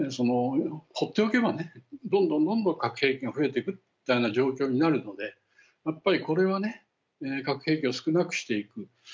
ほっておけば、どんどんどんどん核兵器が増えていくみたいな状況になるのでやっぱり、これは核兵器を少なくしていく。